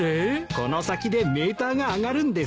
この先でメーターが上がるんですよ。